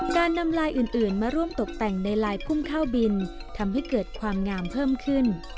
การนำลายอื่นมาร่วมตกแต่งในลายพุ่มข้าวบินทำให้เกิดความงามเพิ่มขึ้น